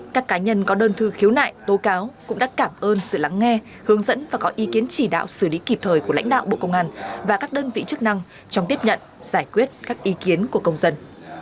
các cá nhân có đơn thư khiếu nại tố cáo cũng đã cảm ơn sự lắng nghe hướng dẫn và có ý kiến chỉ đạo xử lý kịp thời của lãnh đạo bộ công an và các đơn vị chức năng trong tiếp nhận giải quyết các ý kiến của công dân